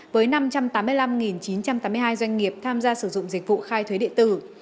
với năm trăm tám mươi năm chín trăm tám mươi hai doanh nghiệp tham gia sử dụng dịch vụ khai thuế điện tử